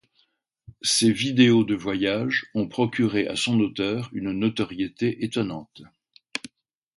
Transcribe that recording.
Ses vidéos de voyages ont procuré à son auteur une notoriété étonnante.